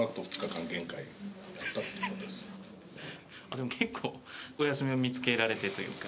でも結構お休みを見つけられてというか。